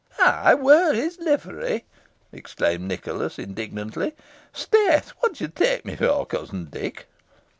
"I wear his livery!" exclaimed Nicholas, indignantly. "'Sdeath! what do you take me for, cousin Dick?"